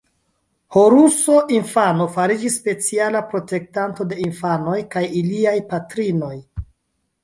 Horuso infano fariĝis speciala protektanto de infanoj kaj iliaj patrinoj.